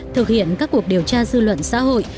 thực hiện các cuộc điều tra dư luận xã hội